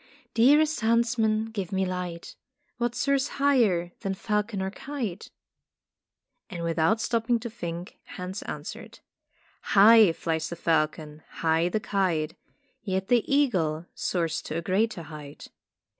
"Dearest huntsman, give me light. What soars higher than falcon or kite?" And without stopping to think Hans answered : "High flies the falcon, high the kite. Yet the eagle soars to a greater height."